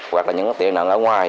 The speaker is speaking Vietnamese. hoặc là những tiền nặng ở ngoài